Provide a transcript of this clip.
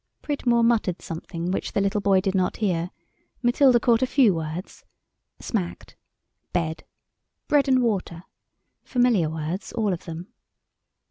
Pridmore muttered something which the little boy did not hear. Matilda caught a few words. "Smacked," "bed," "bread and water"—familiar words all of them.